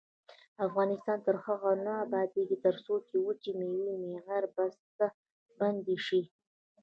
افغانستان تر هغو نه ابادیږي، ترڅو وچې میوې معیاري بسته بندي نشي.